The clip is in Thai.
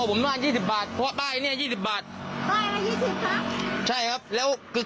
รวมยังไม่ถึง๓๐๐บาทเลย